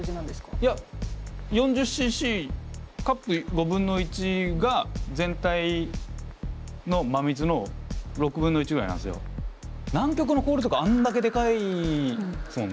いや４０ｃｃカップ５分の１が全体の真水の６分の１ぐらいなんすよ。南極の氷とかあんだけでかいっすもんね。